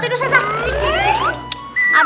biar rizli aja yang bawa